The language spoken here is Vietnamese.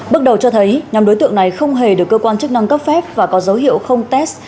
bước đầu cho thấy nhóm đối tượng này không hề được cơ quan chức năng cấp phép và có dấu hiệu không test